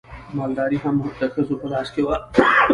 مالداري هم د ښځو په لاس کې وه.